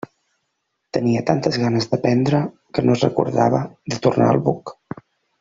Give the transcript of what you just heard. Tenia tantes ganes d'aprendre que no es recordava de tornar al buc.